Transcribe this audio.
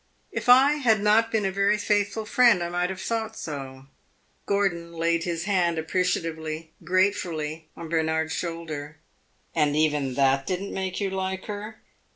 "If I had not been a very faithful friend I might have thought so." Gordon laid his hand appreciatively, gratefully, on Bernard's shoulder. "And even that did n't make you like her?"